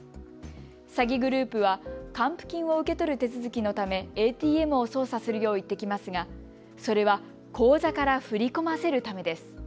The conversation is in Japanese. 詐欺グループは還付金を受け取る手続きのためＡＴＭを操作するよう言ってきますがそれは口座から振り込ませるためです。